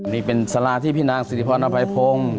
นี่เป็นสาราที่พี่นางสิริพรอภัยพงศ์